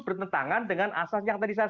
bertentangan dengan asas yang tadi saya